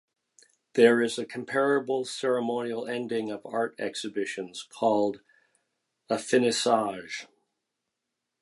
There is a comparable ceremonial ending of art exhibitions, called a "finissage".